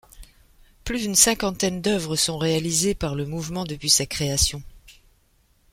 Plus d'une cinquantaine d'œuvres sont réalisées par le mouvement, depuis sa création.